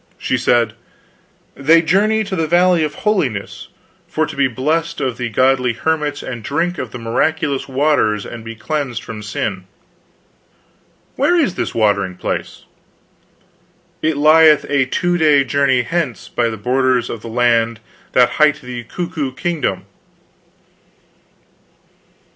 She said: "They journey to the Valley of Holiness, for to be blessed of the godly hermits and drink of the miraculous waters and be cleansed from sin." "Where is this watering place?" "It lieth a two day journey hence, by the borders of the land that hight the Cuckoo Kingdom."